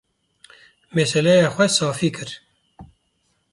Meseleya xwe safî kir.